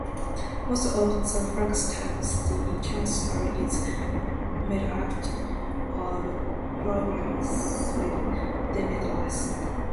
Most of the Flagstaff City Council is made up of progressive Democrats.